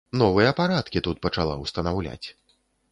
Новыя парадкі тут пачала ўстанаўляць.